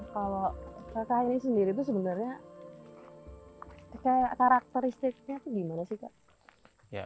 kalau kekah ini sendiri itu sebenarnya karakteristiknya gimana sih kak